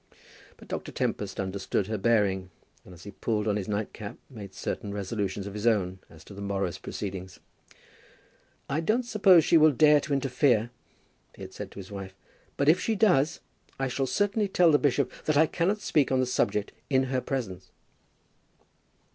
But Dr. Tempest understood her bearing, and as he pulled on his nightcap made certain resolutions of his own as to the morrow's proceedings. "I don't suppose she will dare to interfere," he had said to his wife; "but if she does, I shall certainly tell the bishop that I cannot speak on the subject in her presence."